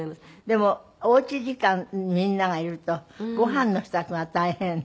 でもおうち時間みんながいるとご飯の支度が大変？